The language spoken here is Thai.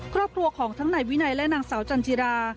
ครอบครัวของทั้งนายวินัยและนางสาวจันจิรา